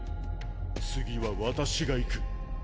次は私が行く。